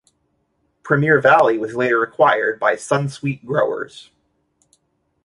Premier Valley was later acquired by Sunsweet Growers.